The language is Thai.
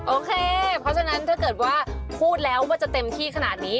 โอเคเพราะฉะนั้นถ้าเกิดว่าพูดแล้วว่าจะเต็มที่ขนาดนี้